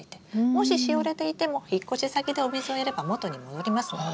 もししおれていても引っ越し先でお水をやれば元に戻りますので。